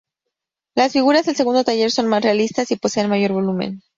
Las figuras del segundo taller son más realistas y poseen mayor volumen.